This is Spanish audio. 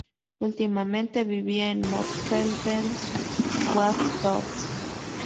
Últimamente vivía en Mörfelden-Walldorf.